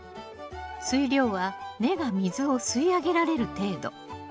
水量は根が水を吸い上げられる程度。